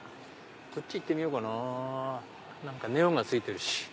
こっち行ってみようかなネオンがついてるし。